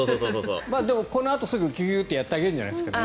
でも、このあとすぐやってあげてるんじゃないですかね。